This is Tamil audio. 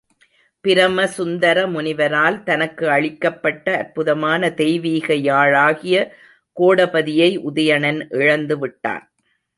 பிரம சுந்தரமுனிவரால் தனக்கு அளிக்கப்பட்ட அற்புதமான தெய்வீக யாழாகிய கோடபதியை உதயணன் இழந்துவிட்டான்.